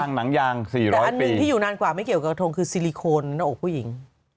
หนังยาง๔๐๐อันหนึ่งที่อยู่นานกว่าไม่เกี่ยวกับกระทงคือซิลิโคนหน้าอกผู้หญิง